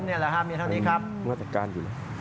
นี่แหละครับมีเท่านี้ครับ